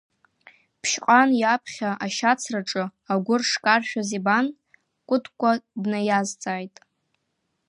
Ԥшьҟан иаԥхьа ашьацраҿы агәыр шкаршәыз ибан, Кәыкәта днаиазҵааит…